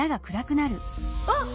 あっ！